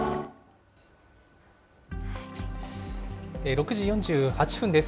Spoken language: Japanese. ６時４８分です。